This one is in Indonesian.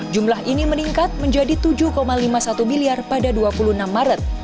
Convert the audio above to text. jumlah ini meningkat menjadi tujuh lima puluh satu miliar pada dua puluh enam maret